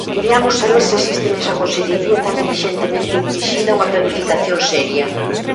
Queriamos saber se existe nesa consellería tan dilixentemente dirixida unha planificación seria.